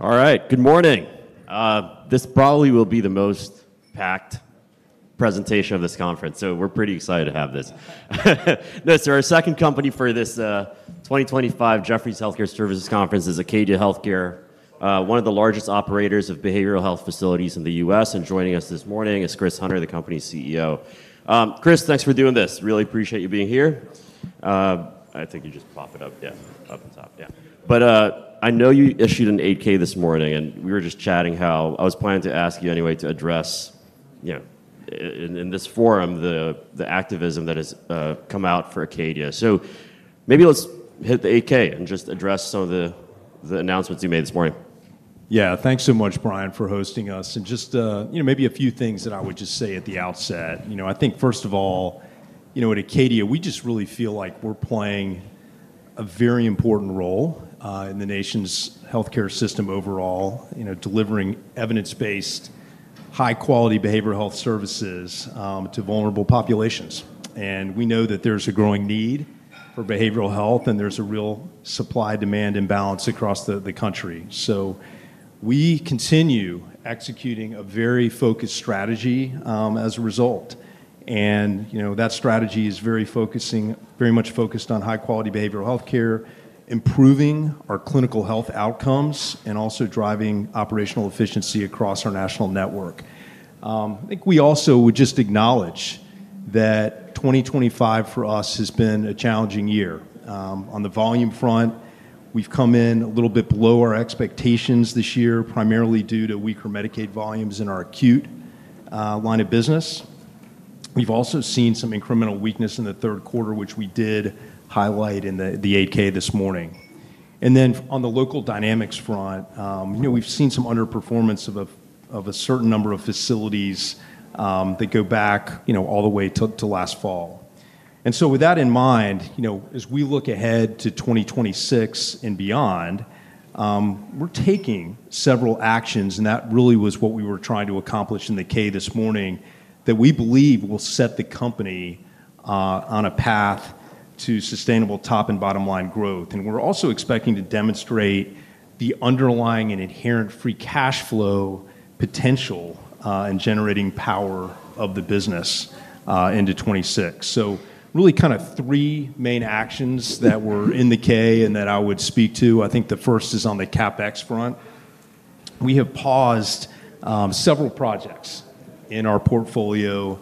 All right, good morning. This probably will be the most packed presentation of this conference, so we're pretty excited to have this. Our second company for this 2025 Jefferies Healthcare Services Conference is Acadia Healthcare, one of the largest operators of behavioral health facilities in the U.S. Joining us this morning is Chris Hunter, the company's CEO. Chris, thanks for doing this. Really appreciate you being here. I think you just pop it up, up the top. I know you issued an 8-K this morning and we were just chatting how I was planning to ask you anyway to address, you know, in this forum, the activism that has come out for Acadia. Maybe let's hit the 8-K and just address some of the announcements you made this morning. Yeah, thanks so much, Brian, for hosting us. Maybe a few things that I would just say at the outset. I think first of all, at Acadia, we just really feel like we're playing a very important role in the nation's healthcare system overall, delivering evidence-based, high-quality behavioral health services to vulnerable populations. We know that there's a growing need for behavioral health and there's a real supply-demand imbalance across the country. We continue executing a very focused strategy as a result. That strategy is very much focused on high-quality behavioral healthcare, improving our clinical outcomes, and also driving operational efficiency across our national network. I think we also would just acknowledge that 2025 for us has been a challenging year. On the volume front, we've come in a little bit below our expectations this year, primarily due to weaker Medicaid volumes in our Acute line of business. We've also seen some incremental weakness in the third quarter, which we did highlight in the 8-K filing this morning. On the local dynamics front, we've seen some underperformance of a certain number of facilities that go back all the way to last fall. With that in mind, as we look ahead to 2026 and beyond, we're taking several actions, and that really was what we were trying to accomplish in the 8-K filing this morning that we believe will set the company on a path to sustainable top and bottom line growth. We're also expecting to demonstrate the underlying and inherent free cash flow potential and generating power of the business into 2026. Really, kind of three main actions that were in the 8-K filing and that I would speak to. I think the first is on the CapEx front. We have paused several projects in our portfolio,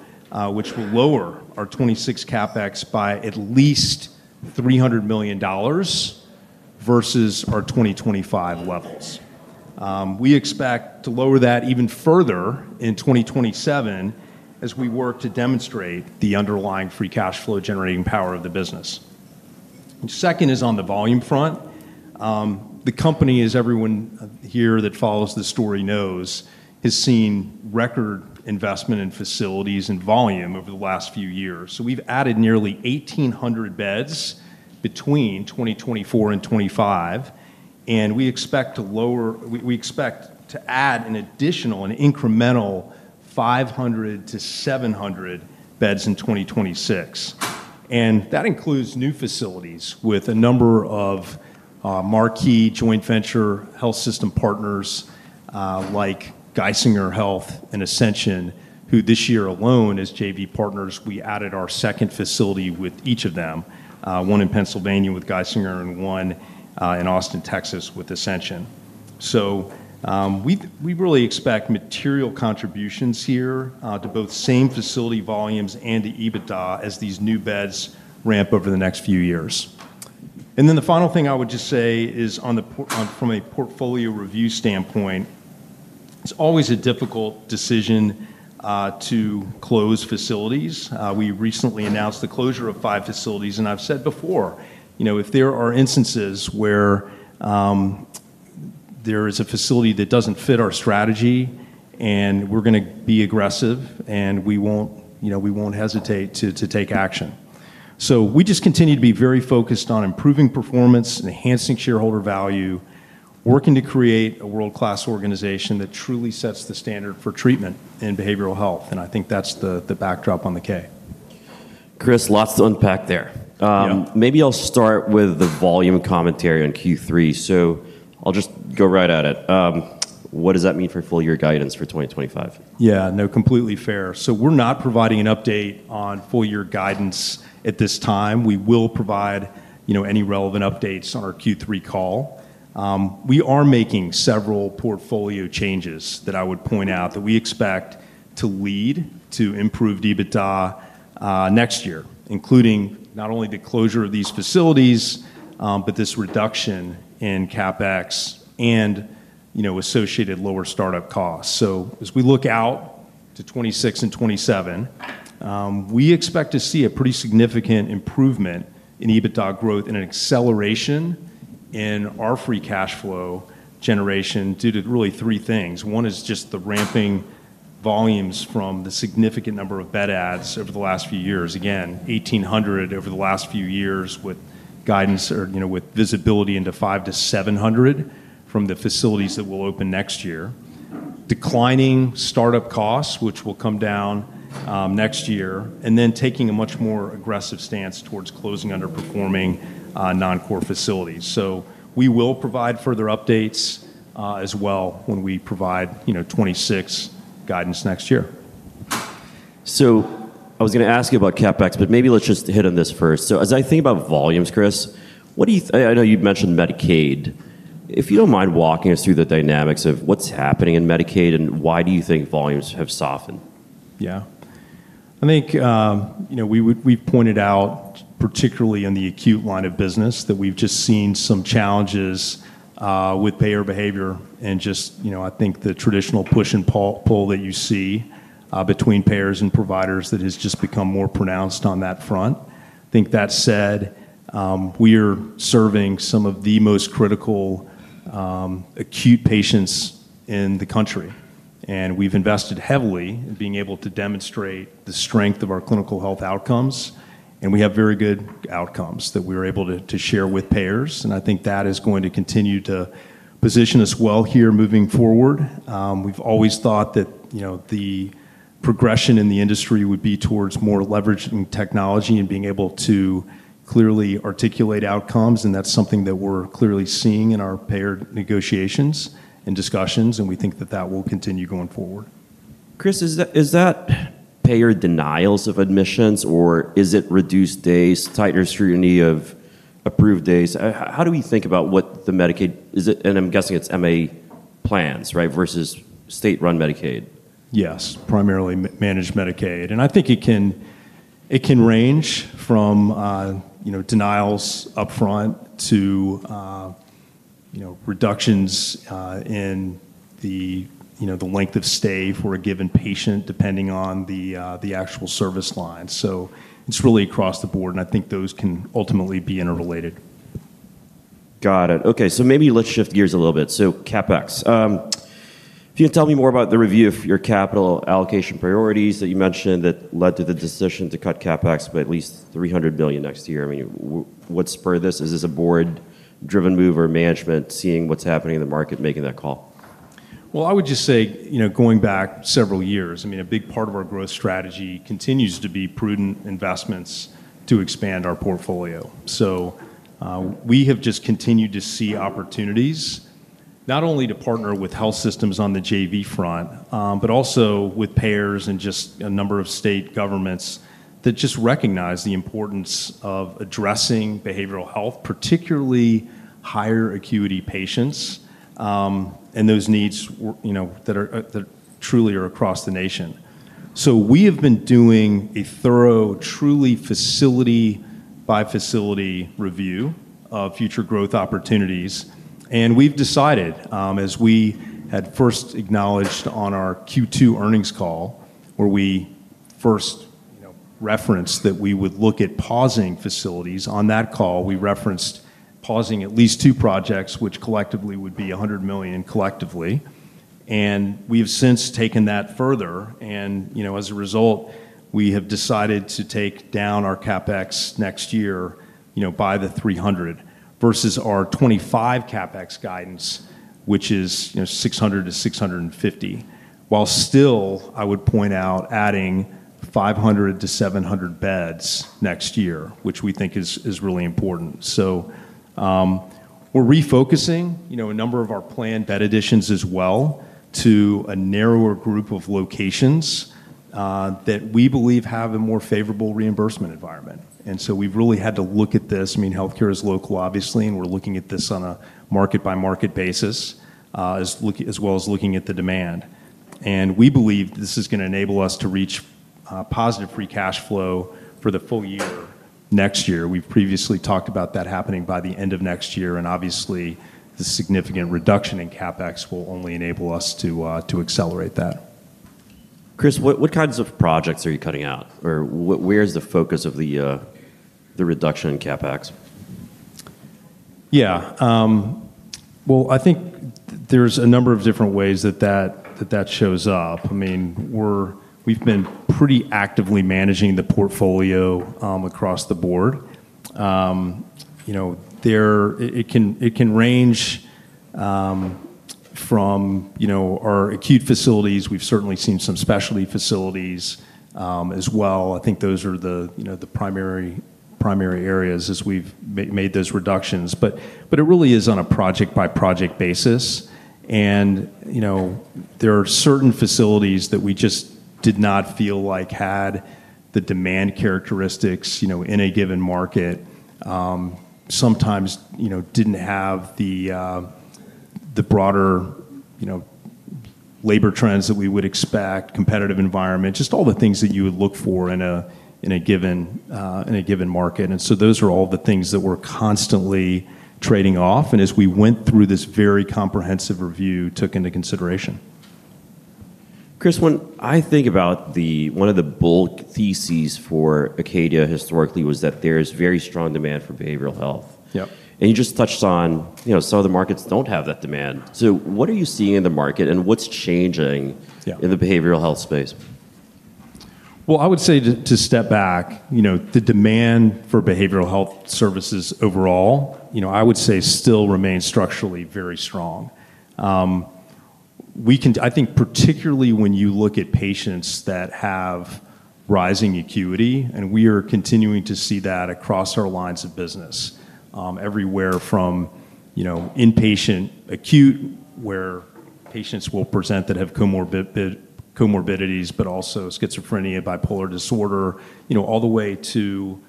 which will lower our 2026 CapEx by at least $300 million versus our 2025 levels. We expect to lower that even further in 2027 as we work to demonstrate the underlying free cash flow generating power of the business. The second is on the volume front. The company, as everyone here that follows the story knows, has seen record investment in facilities and volume over the last few years. We've added nearly 1,800 beds between 2024 and 2025. We expect to add an additional and incremental 500-700 beds in 2026. That includes new facilities with a number of marquee joint venture health system partners, like Geisinger Health and Ascension, who this year alone as joint venture partners, we added our second facility with each of them, one in Pennsylvania with Geisinger and one in Austin, Texas with Ascension. We really expect material contributions here to both same facility volumes and to EBITDA as these new beds ramp over the next few years. The final thing I would just say is, from a portfolio review standpoint, it's always a difficult decision to close facilities. We recently announced the closure of five facilities, and I've said before, if there are instances where there is a facility that doesn't fit our strategy, we're going to be aggressive and we won't hesitate to take action. We just continue to be very focused on improving performance and enhancing shareholder value, working to create a world-class organization that truly sets the standard for treatment in behavioral health. I think that's the backdrop on the K. Chris, lots to unpack there. Maybe I'll start with the volume commentary on Q3. I'll just go right at it. What does that mean for full-year guidance for 2025? Yeah, no, completely fair. We're not providing an update on full-year guidance at this time. We will provide any relevant updates on our Q3 call. We are making several portfolio changes that I would point out that we expect to lead to improved EBITDA next year, including not only the closure of these facilities, but this reduction in CapEx and associated lower startup costs. As we look out to 2026 and 2027, we expect to see a pretty significant improvement in EBITDA growth and an acceleration in our free cash flow generation due to really three things. One is just the ramping volumes from the significant number of bed adds over the last few years. Again, 1,800 over the last few years with guidance or with visibility into 500-700 from the facilities that will open next year. Declining startup costs, which will come down next year, and then taking a much more aggressive stance towards closing underperforming, non-core facilities. We will provide further updates as well when we provide 2026 guidance next year. I was going to ask you about CapEx, but maybe let's just hit on this first. As I think about volumes, Chris, what do you, I know you mentioned Medicaid. If you don't mind walking us through the dynamics of what's happening in Medicaid and why do you think volumes have softened? Yeah, I think we would, we've pointed out particularly in the Acute line of business that we've just seen some challenges with payer behavior and just, you know, I think the traditional push and pull that you see between payers and providers that has just become more pronounced on that front. That said, we are serving some of the most critical, acute patients in the country. We've invested heavily in being able to demonstrate the strength of our clinical outcomes. We have very good outcomes that we're able to share with payers. I think that is going to continue to position us well here moving forward. We've always thought that the progression in the industry would be towards more leveraging technology and being able to clearly articulate outcomes. That's something that we're clearly seeing in our payer negotiations and discussions. We think that will continue going forward. Chris, is that payer denials of admissions, or is it reduced days, tighter scrutiny of approved days? How do we think about what the Medicaid, is it, and I'm guessing it's MA plans, right, versus state-run Medicaid? Yes, primarily managed Medicaid. I think it can range from, you know, denials upfront to reductions in the length of stay for a given patient depending on the actual service line. It's really across the board. I think those can ultimately be interrelated. Got it. Okay. Maybe let's shift gears a little bit. CapEx, if you can tell me more about the review of your capital allocation priorities that you mentioned that led to the decision to cut CapEx by at least $300 million next year. I mean, what spurred this? Is this a board-driven move or management seeing what's happening in the market making that call? Going back several years, a big part of our growth strategy continues to be prudent investments to expand our portfolio. We have continued to see opportunities, not only to partner with health systems on the joint venture front, but also with payers and a number of state governments that recognize the importance of addressing behavioral health, particularly higher acuity patients and those needs that are truly across the nation. We have been doing a thorough, truly facility-by-facility review of future growth opportunities. We decided, as we had first acknowledged on our Q2 earnings call, where we first referenced that we would look at pausing facilities, on that call, we referenced pausing at least two projects, which collectively would be $100 million. We have since taken that further. As a result, we have decided to take down our CapEx next year by the $300 million versus our 2025 CapEx guidance, which is $600 million-$650 million, while still, I would point out, adding 500-700 beds next year, which we think is really important. We are refocusing a number of our planned bed additions as well to a narrower group of locations that we believe have a more favorable reimbursement environment. We have really had to look at this. Healthcare is local, obviously, and we are looking at this on a market-by-market basis, as well as looking at the demand. We believe this is going to enable us to reach positive free cash flow for the full year next year. We have previously talked about that happening by the end of next year. Obviously, the significant reduction in CapEx will only enable us to accelerate that. Chris, what kinds of projects are you cutting out? Where is the focus of the reduction in CapEx? Yeah, I think there's a number of different ways that shows up. I mean, we've been pretty actively managing the portfolio across the board. It can range from our Acute facilities. We've certainly seen some specialty facilities as well. I think those are the primary areas as we've made those reductions. It really is on a project-by-project basis. There are certain facilities that we just did not feel like had the demand characteristics in a given market. Sometimes didn't have the broader labor trends that we would expect, competitive environment, just all the things that you would look for in a given market. Those are all the things that we're constantly trading off. As we went through this very comprehensive review, took into consideration. Chris, when I think about the, one of the bulk theses for Acadia historically was that there's very strong demand for behavioral health. Yeah. You just touched on, you know, some of the markets don't have that demand. What are you seeing in the market and what's changing in the behavioral health space? To step back, the demand for behavioral health services overall still remains structurally very strong. I think particularly when you look at patients that have rising acuity, we are continuing to see that across our lines of business, everywhere from inpatient Acute, where patients will present that have comorbidities, but also schizophrenia, bipolar disorder, all the way to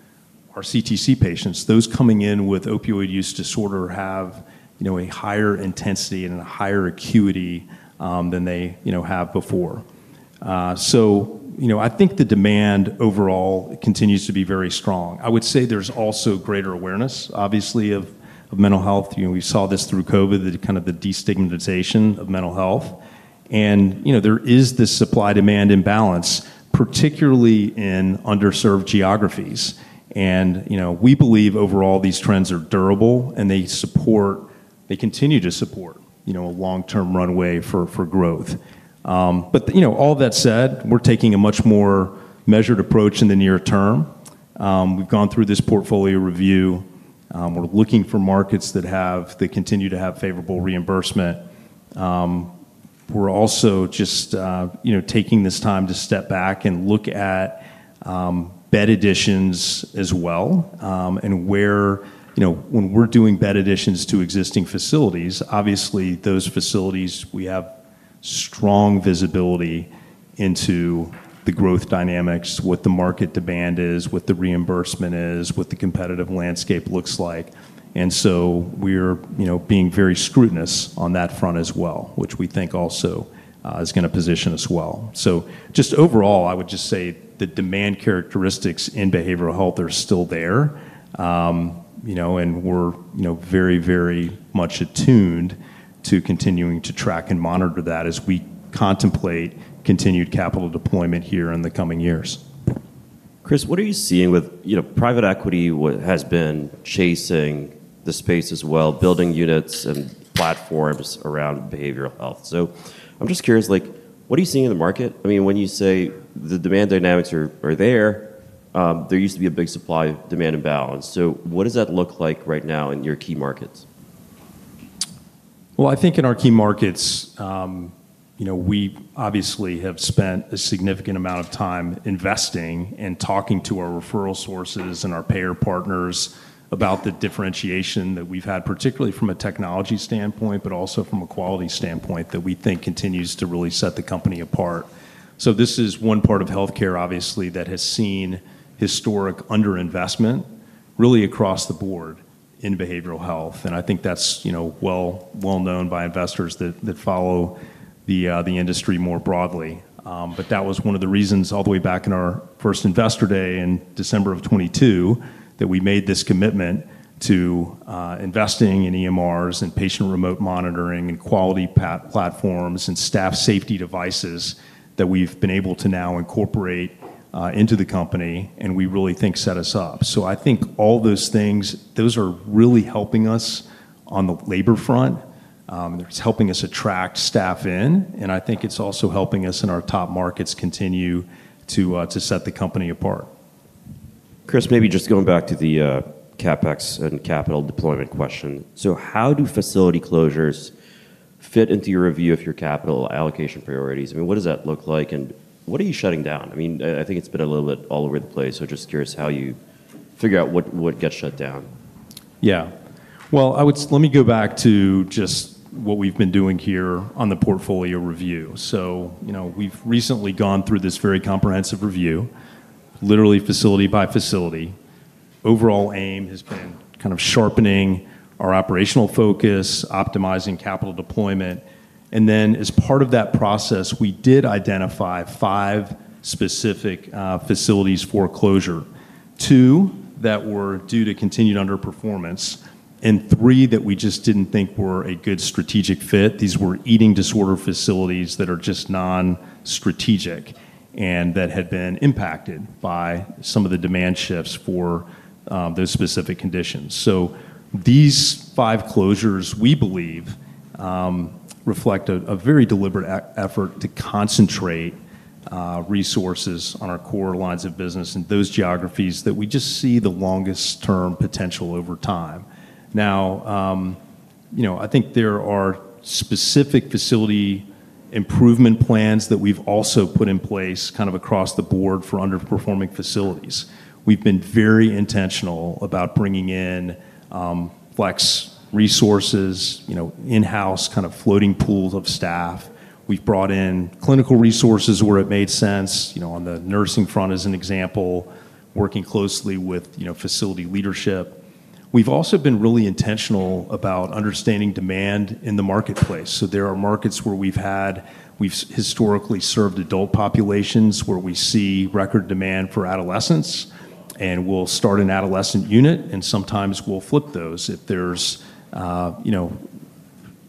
our CTC patients. Those coming in with opioid use disorder have a higher intensity and a higher acuity than they have before. The demand overall continues to be very strong. There is also greater awareness, obviously, of mental health. We saw this through COVID, the destigmatization of mental health. There is this supply-demand imbalance, particularly in underserved geographies. We believe overall these trends are durable and they continue to support a long-term runway for growth. All that said, we're taking a much more measured approach in the near term. We've gone through this portfolio review. We're looking for markets that continue to have favorable reimbursement. We're also just taking this time to step back and look at bed additions as well. When we're doing bed additions to existing facilities, obviously those facilities, we have strong visibility into the growth dynamics, what the market demand is, what the reimbursement is, what the competitive landscape looks like. We're being very scrutinous on that front as well, which we think also is going to position us well. Overall, the demand characteristics in behavioral health are still there. We're very much attuned to continuing to track and monitor that as we contemplate continued capital deployment here in the coming years. Chris, what are you seeing with, you know, private equity has been chasing the space as well, building units and platforms around behavioral health. I'm just curious, like, what are you seeing in the market? I mean, when you say the demand dynamics are there, there used to be a big supply-demand imbalance. What does that look like right now in your key markets? I think in our key markets, we obviously have spent a significant amount of time investing and talking to our referral sources and our payer partners about the differentiation that we've had, particularly from a technology standpoint, but also from a quality standpoint that we think continues to really set the company apart. This is one part of healthcare, obviously, that has seen historic underinvestment really across the board in behavioral health. I think that's well known by investors that follow the industry more broadly. That was one of the reasons all the way back in our first Investor Day in December of 2022 that we made this commitment to investing in EMRs and patient remote monitoring and quality platforms and staff safety devices that we've been able to now incorporate into the company. We really think set us up. I think all those things are really helping us on the labor front, they're helping us attract staff in, and I think it's also helping us in our top markets continue to set the company apart. Chris, maybe just going back to the CapEx and capital deployment question. How do facility closures fit into your review of your capital allocation priorities? What does that look like? What are you shutting down? I think it's been a little bit all over the place. Just curious how you figure out what gets shut down. Yeah. I would, let me go back to just what we've been doing here on the portfolio review. We've recently gone through this very comprehensive review, literally facility by facility. The overall aim has been kind of sharpening our operational focus, optimizing capital deployment. As part of that process, we did identify five specific facilities for closure. Two were due to continued underperformance and three that we just didn't think were a good strategic fit. These were eating disorder facilities that are just non-strategic and that had been impacted by some of the demand shifts for those specific conditions. These five closures, we believe, reflect a very deliberate effort to concentrate resources on our core lines of business and those geographies that we just see the longest term potential over time. I think there are specific facility improvement plans that we've also put in place kind of across the board for underperforming facilities. We've been very intentional about bringing in flex resources, in-house kind of floating pools of staff. We've brought in clinical resources where it made sense, on the nursing front as an example, working closely with facility leadership. We've also been really intentional about understanding demand in the marketplace. There are markets where we've historically served adult populations where we see record demand for adolescents and we'll start an adolescent unit and sometimes we'll flip those if there's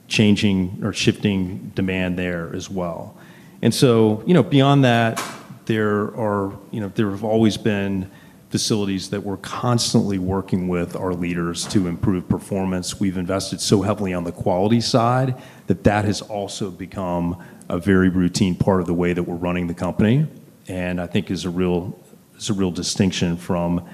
changing or shifting demand there as well. Beyond that, there have always been facilities that we're constantly working with our leaders to improve performance. We've invested so heavily on the quality side that that has also become a very routine part of the way that we're running the company. I think it is a real distinction from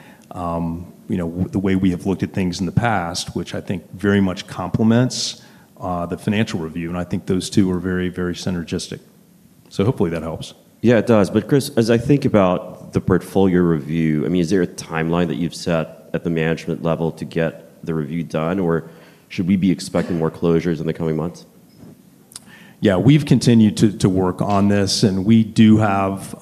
the way we have looked at things in the past, which I think very much complements the financial review. I think those two are very, very synergistic. Hopefully that helps. Yeah, it does. Chris, as I think about the portfolio review, is there a timeline that you've set at the management level to get the review done, or should we be expecting more closures in the coming months? Yeah, we've continued to work on this, and we do have,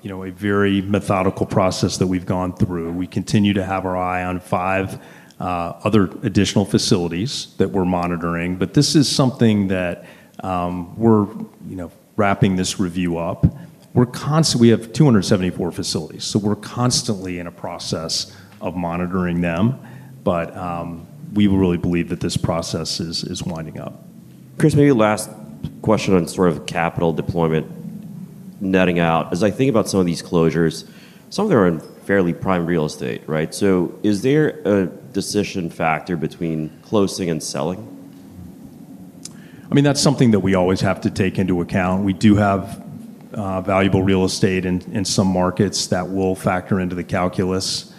you know, a very methodical process that we've gone through. We continue to have our eye on five other additional facilities that we're monitoring. This is something that we're, you know, wrapping this review up. We're constantly, we have 274 facilities, so we're constantly in a process of monitoring them. We really believe that this process is winding up. Chris, maybe last question on sort of capital deployment netting out. As I think about some of these closures, some of them are in fairly prime real estate, right? Is there a decision factor between closing and selling? I mean, that's something that we always have to take into account. We do have valuable real estate in some markets that will factor into the calculus.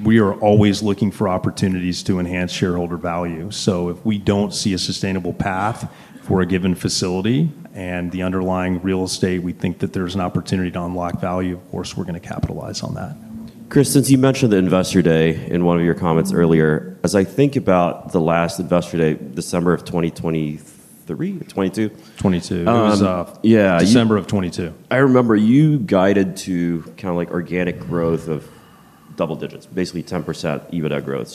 We are always looking for opportunities to enhance shareholder value. If we don't see a sustainable path for a given facility and the underlying real estate, we think that there's an opportunity to unlock value. Of course, we're going to capitalize on that. Chris, since you mentioned the investor day in one of your comments earlier, as I think about the last Investor Day, December of 2022. 2022. Oh, it's off. Yeah, December of 2022. I remember you guided to kind of like organic growth of double digits, basically 10% EBITDA growth.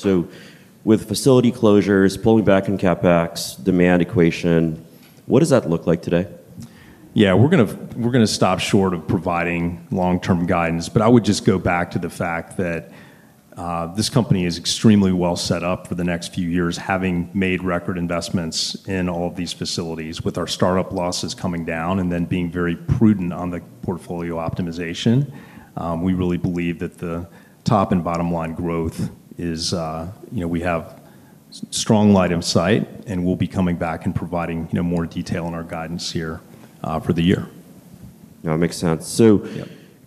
With facility closures, pulling back in CapEx, demand equation, what does that look like today? Yeah, we're going to stop short of providing long-term guidance, but I would just go back to the fact that this company is extremely well set up for the next few years, having made record investments in all of these facilities with our startup losses coming down and then being very prudent on the portfolio optimization. We really believe that the top and bottom line growth is, you know, we have a strong line of sight and we'll be coming back and providing, you know, more detail in our guidance here for the year. No, it makes sense.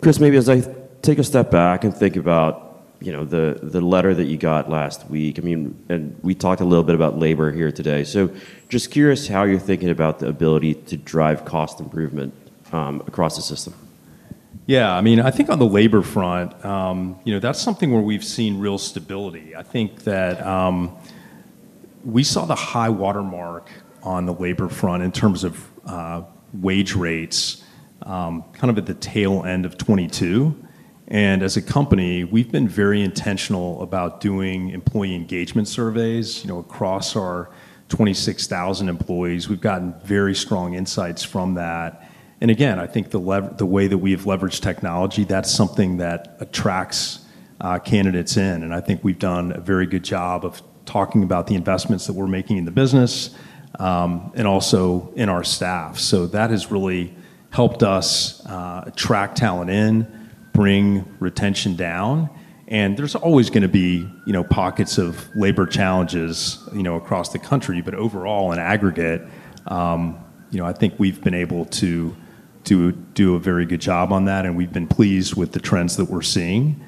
Chris, maybe as I take a step back and think about the letter that you got last week, I mean, we talked a little bit about labor here today. I'm just curious how you're thinking about the ability to drive cost improvement across the system. Yeah, I mean, I think on the labor front, that's something where we've seen real stability. I think that we saw the high watermark on the labor front in terms of wage rates, kind of at the tail end of 2022. As a company, we've been very intentional about doing employee engagement surveys across our 26,000 employees. We've gotten very strong insights from that. I think the way that we've leveraged technology, that's something that attracts candidates in. I think we've done a very good job of talking about the investments that we're making in the business, and also in our staff. That has really helped us attract talent in, bring retention down. There's always going to be pockets of labor challenges across the country. Overall, in aggregate, I think we've been able to do a very good job on that. We've been pleased with the trends that we're seeing.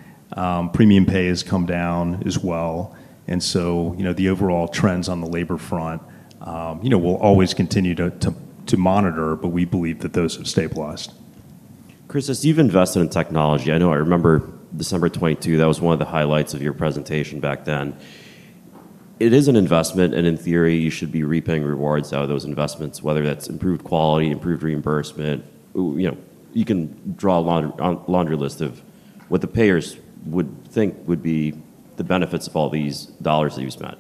Premium pay has come down as well. The overall trends on the labor front, we'll always continue to monitor, but we believe that those have stabilized. Chris, as you've invested in technology, I know I remember December 2022, that was one of the highlights of your presentation back then. It is an investment, and in theory, you should be repaying rewards out of those investments, whether that's improved quality, improved reimbursement. You know, you can draw a laundry list of what the payers would think would be the benefits of all these dollars that you've spent.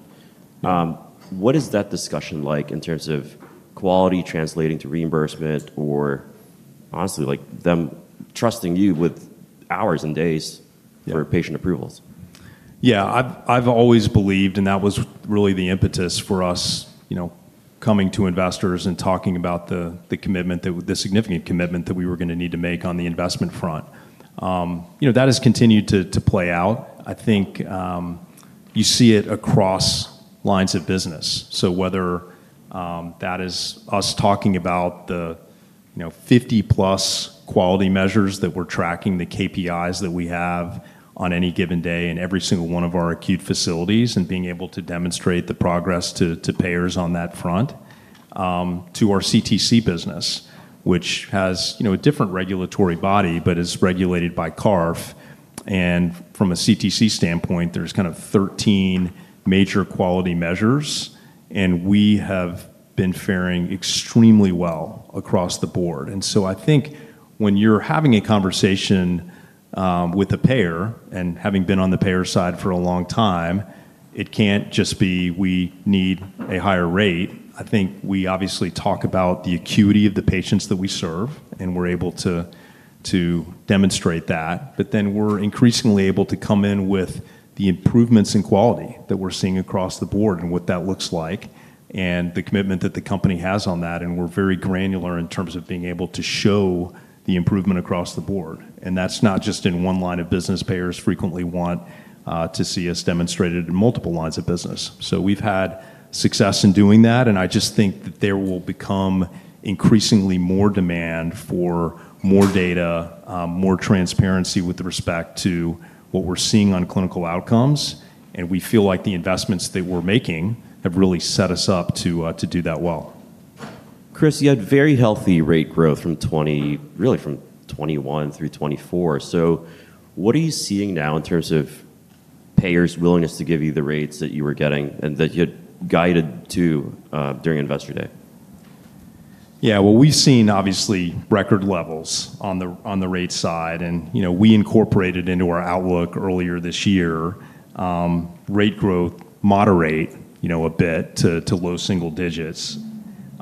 What is that discussion like in terms of quality translating to reimbursement or honestly, like them trusting you with hours and days for patient approvals? Yeah, I've always believed, and that was really the impetus for us coming to investors and talking about the commitment, the significant commitment that we were going to need to make on the investment front. That has continued to play out. I think you see it across lines of business. Whether that is us talking about the 50+ quality measures that we're tracking, the KPIs that we have on any given day in every single one of our Acute facilities and being able to demonstrate the progress to payers on that front, to our CTC business, which has a different regulatory body but is regulated by CARF. From a CTC standpoint, there's kind of 13 major quality measures, and we have been faring extremely well across the board. I think when you're having a conversation with a payer and having been on the payer side for a long time, it can't just be we need a higher rate. I think we obviously talk about the acuity of the patients that we serve, and we're able to demonstrate that. We're increasingly able to come in with the improvements in quality that we're seeing across the board and what that looks like and the commitment that the company has on that. We're very granular in terms of being able to show the improvement across the board. That's not just in one line of business. Payers frequently want to see us demonstrate it in multiple lines of business. We've had success in doing that. I think there will become increasingly more demand for more data, more transparency with respect to what we're seeing on clinical outcomes. We feel like the investments that we're making have really set us up to do that well. Chris, you had very healthy rate growth from 2020, really from 2021 through 2024. What are you seeing now in terms of payers' willingness to give you the rates that you were getting and that you had guided to during investor day? Yeah, we've seen obviously record levels on the rate side. You know, we incorporated into our outlook earlier this year, rate growth moderate a bit to low single digits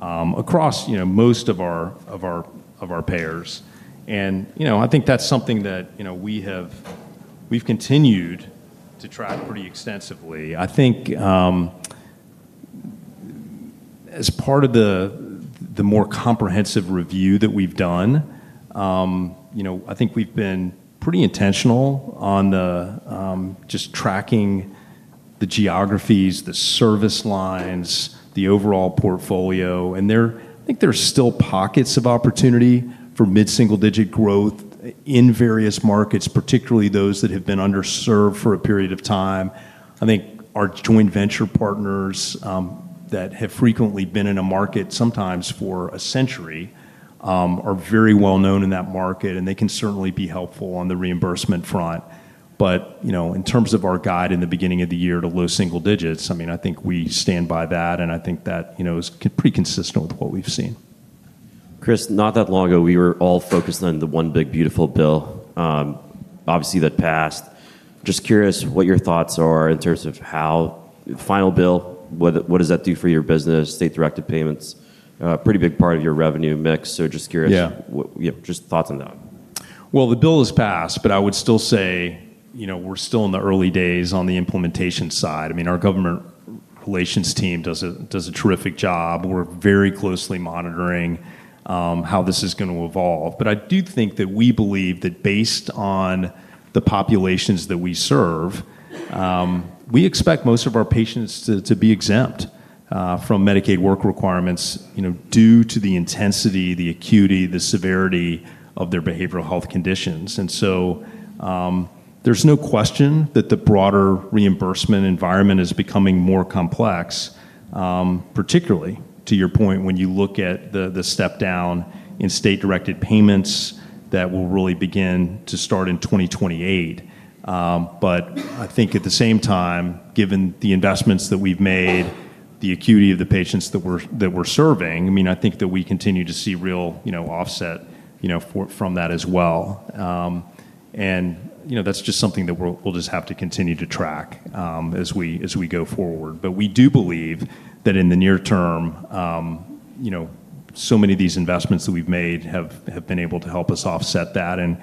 across most of our payers. I think that's something that we have continued to track pretty extensively. As part of the more comprehensive review that we've done, I think we've been pretty intentional on just tracking the geographies, the service lines, the overall portfolio. There, I think there's still pockets of opportunity for mid-single-digit growth in various markets, particularly those that have been underserved for a period of time. I think our joint venture partners that have frequently been in a market sometimes for a century are very well known in that market. They can certainly be helpful on the reimbursement front. In terms of our guide in the beginning of the year to low single digits, I think we stand by that. I think that is pretty consistent with what we've seen. Chris, not that long ago, we were all focused on the One Big Beautiful Bill, obviously that passed. I'm just curious what your thoughts are in terms of how the final bill, what does that do for your business? State-directed payments, pretty big part of your revenue mix. Just curious, yeah, you know, just thoughts on that one. The bill has passed, but I would still say we're still in the early days on the implementation side. I mean, our government relations team does a terrific job. We're very closely monitoring how this is going to evolve. I do think that we believe that based on the populations that we serve, we expect most of our patients to be exempt from Medicaid work requirements due to the intensity, the acuity, the severity of their behavioral health conditions. There's no question that the broader reimbursement environment is becoming more complex, particularly to your point when you look at the step down in state-directed payments that will really begin to start in 2028. I think at the same time, given the investments that we've made, the acuity of the patients that we're serving, I think that we continue to see real offset from that as well. That's just something that we'll just have to continue to track as we go forward. We do believe that in the near term, so many of these investments that we've made have been able to help us offset that.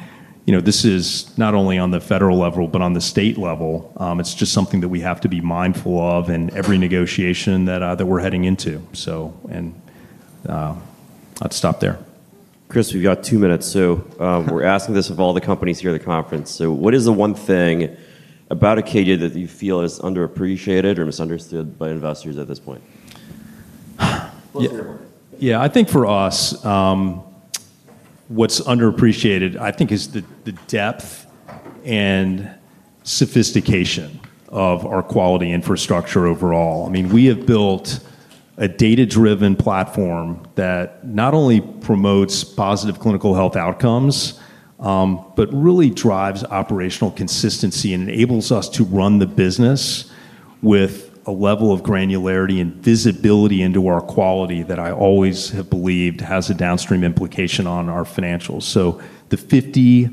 This is not only on the federal level, but on the state level. It's just something that we have to be mindful of in every negotiation that we're heading into. I'd stop there. Chris, we've got two minutes. We're asking this of all the companies here at the conference. What is the one thing about Acadia that you feel is underappreciated or misunderstood by investors at this point? Yeah, I think for us, what's underappreciated, I think, is the depth and sophistication of our quality infrastructure overall. I mean, we have built a data-driven platform that not only promotes positive clinical health outcomes, but really drives operational consistency and enables us to run the business with a level of granularity and visibility into our quality that I always have believed has a downstream implication on our financials. The 50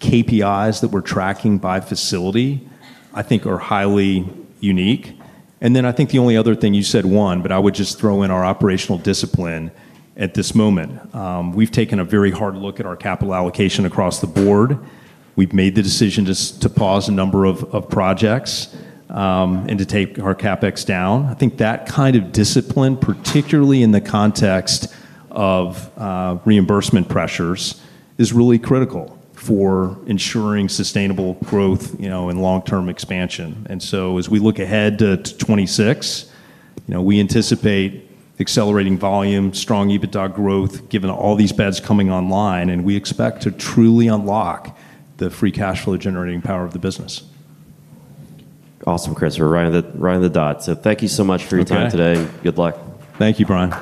KPIs that we're tracking by facility, I think, are highly unique. I think the only other thing you said, one, but I would just throw in our operational discipline at this moment. We've taken a very hard look at our capital allocation across the board. We've made the decision to pause a number of projects, and to take our CapEx down. I think that kind of discipline, particularly in the context of reimbursement pressures, is really critical for ensuring sustainable growth, you know, and long-term expansion. As we look ahead to 2026, you know, we anticipate accelerating volume, strong EBITDA growth, given all these beds coming online, and we expect to truly unlock the free cash flow generating power of the business. Awesome, Chris. We're right at the dot. Thank you so much for your time today. Good luck. Thank you, Brian.